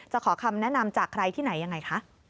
ขอคำแนะนำจากใครที่ไหนยังไงคะ